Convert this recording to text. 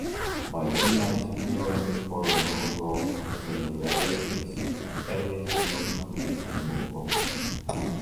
By Riemann's theorem for removable singularities, every singleton is removable.